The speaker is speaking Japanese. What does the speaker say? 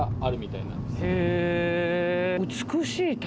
へぇ。